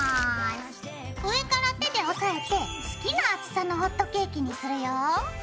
上から手で押さえて好きな厚さのホットケーキにするよ。